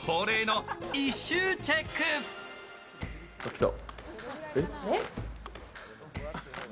来た。